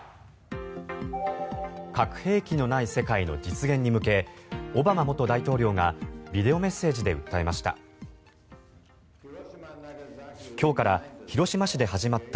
核兵器のない世界の実現に向けオバマ元大統領がビデオメッセージで訴えました。